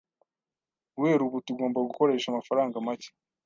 Guhera ubu, tugomba gukoresha amafaranga make.